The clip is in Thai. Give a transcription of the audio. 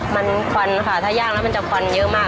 มันควันค่ะถ้าย่างแล้วมันจะควันเยอะมาก